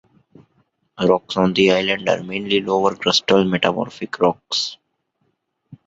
Rocks on the island are mainly lower crustal metamorphic rocks.